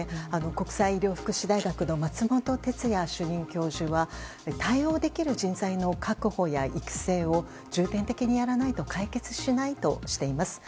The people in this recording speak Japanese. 国際医療福祉大学の松本哲哉主任教授は対応できる人材の確保や育成を重点的にやらないと解決しないとしています。